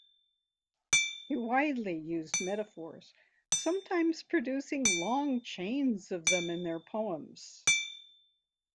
They widely used metaphors, sometimes producing long chains of them in their poems.